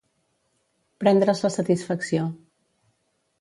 Prendre's la satisfacció.